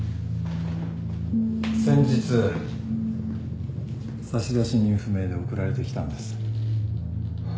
先日差出人不明で送られてきたんです。